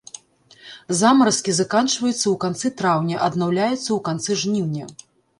Замаразкі заканчваюцца ў канцы траўня, аднаўляюцца ў канцы жніўня.